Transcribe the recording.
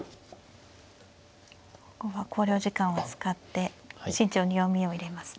ここは考慮時間を使って慎重に読みを入れますね。